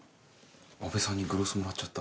阿部さんにグロスもらっちゃった。